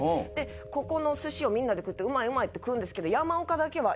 ここの寿司をみんなで食ってうまいうまい！って食うんですけど。